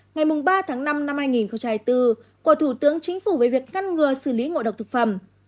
ngày ba tháng năm năm hai nghìn hai mươi bốn của thủ tướng chính phủ về việc ngăn ngừa xử lý ngộ độc thực phẩm